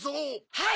はい！